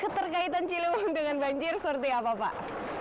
keterkaitan ciliwung dengan banjir seperti apa pak